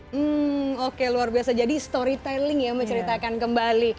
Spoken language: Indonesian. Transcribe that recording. hmm oke luar biasa jadi storytelling ya menceritakan kembali